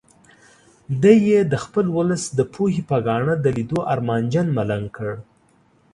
دی یې د خپل ولس د پوهې په ګاڼه د لیدو ارمانجن ملنګ کړ.